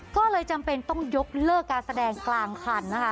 ก็เลยจำเป็นต้องยกเลิกการแสดงกลางคันนะคะ